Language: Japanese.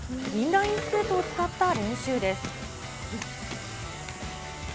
インラインスケートを使った練習です。